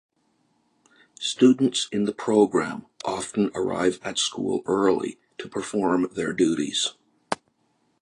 Students in the program often arrive at school early to perform their duties.